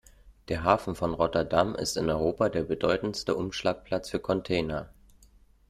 Der Hafen von Rotterdam ist in Europa der bedeutsamste Umschlagplatz für Container.